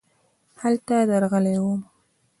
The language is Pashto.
هلته درغلی وم .